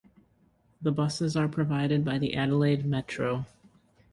The buses are provided by the Adelaide Metro.